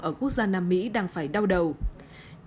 ở quốc gia nam mỹ đang phải sử dụng